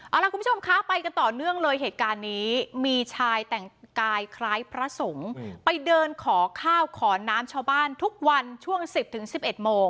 เอาล่ะคุณผู้ชมคะไปกันต่อเนื่องเลยเหตุการณ์นี้มีชายแต่งกายคล้ายพระสงฆ์ไปเดินขอข้าวขอน้ำชาวบ้านทุกวันช่วง๑๐๑๑โมง